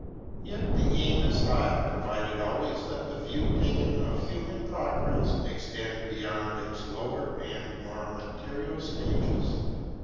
Yet the aim is high, provided always that the view taken of human progress extend beyond its lower and more material stages.